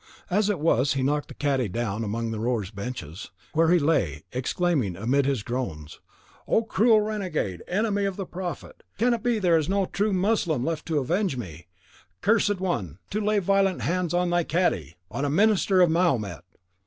As it was, he knocked the cadi down among the rower's benches, where he lay, exclaiming amid his groans, "O cruel renegade! Enemy of the Prophet! Can it be that there is no true mussulman left to avenge me? Accursed one! to lay violent hands on thy cadi, on a minister of Mahomet!"